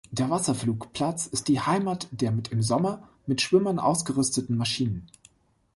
Der Wasserflugplatz ist die Heimat der mit im Sommer mit Schwimmern ausgerüsteten Maschinen.